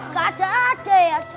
gak ada aja ya